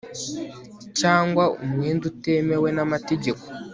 cyangwa umwenda utemewe namategeko